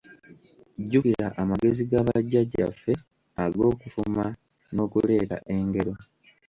Jjukira amagezi ga bajjajjaffe ag'okufuma n'okuleeta engero.